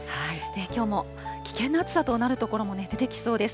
きょうも危険な暑さとなる所も出てきそうです。